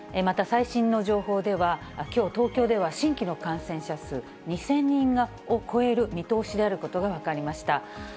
また最新の情報では、きょう東京では、新規の感染者数、２０００人を超える見通しであることが分かりました。